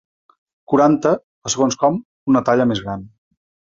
Quaranta o, segons com, una talla més gran.